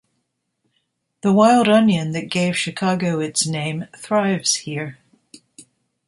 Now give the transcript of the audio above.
The wild onion that gave Chicago its name thrives here.